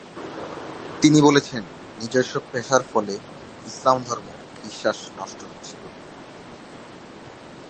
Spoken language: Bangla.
তিনি বলেছেন, ‘নিজস্ব পেশার ফলে ইসলাম ধর্ম বিশ্বাস নষ্ট হচ্ছিলো।